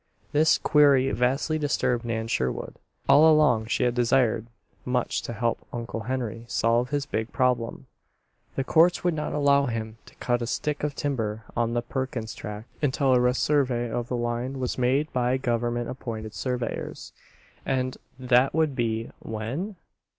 This query vastly disturbed Nan Sherwood. All along she had desired much to help Uncle Henry solve his big problem. The courts would not allow him to cut a stick of timber on the Perkins Tract until a resurvey of the line was made by government appointed surveyors, and that would be, when?